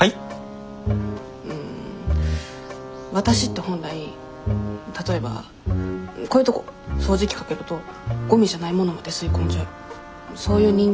わたしって本来例えばこういうとこ掃除機かけるとゴミじゃないものまで吸い込んじゃうそういう人間っていうか。